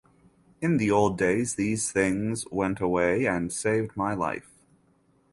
In the old days these things went away and saved my life.